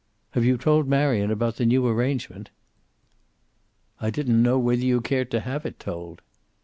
"Have you told Marion about the new arrangement?" "I didn't know whether you cared to have it told."